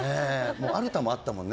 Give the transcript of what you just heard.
アルタもあったもんね